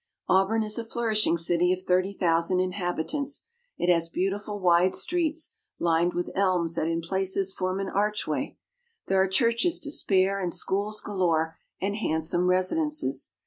Auburn is a flourishing city of thirty thousand inhabitants. It has beautiful wide streets, lined with elms that in places form an archway. There are churches to spare and schools galore and handsome residences.